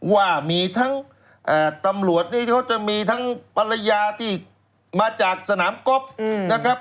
ว่ามีทั้งตำรวจนี่เขาจะมีทั้งภรรยาที่มาจากสนามกบนะครับ